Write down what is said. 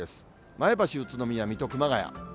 前橋、宇都宮、水戸、熊谷。